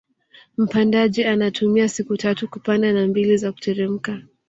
Mpandaji anatumia siku tatu kupanda na mbili za kuteremka